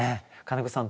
金子さん